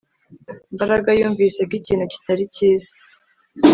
Mbaraga yumvise ko ikintu kitari cyiza